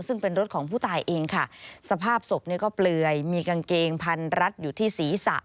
ซึ่งเป็นรถของผู้ตายเองค่ะสภาพศพเนี่ยก็เปลือยมีกางเกงพันรัดอยู่ที่ศีรษะ